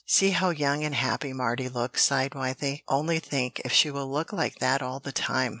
"See how young and happy Mardy looks," sighed Wythie. "Only think, if she will look like that all the time!